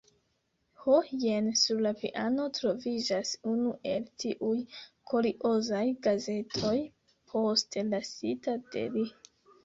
Ho, jen sur la piano troviĝas unu el tiuj kuriozaj gazetoj postlasita de li.